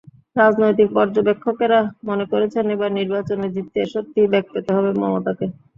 রাজনৈতিক পর্যবেক্ষকেরা মনে করছেন, এবার নির্বাচনে জিততে সত্যিই বেগ পেতে হবে মমতাকে।